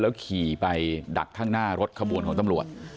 ขี่ไปดักข้างหน้ารถขบวนของตำรวจ